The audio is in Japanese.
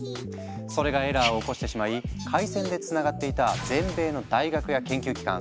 それがエラーを起こしてしまい回線でつながっていた全米の大学や研究機関